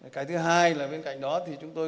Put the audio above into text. cái thứ hai là bên cạnh đó thì chúng tôi